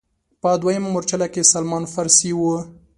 په دویمه مورچله کې سلمان فارسي و.